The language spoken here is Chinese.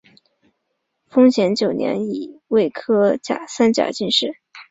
咸丰九年己未科三甲进士。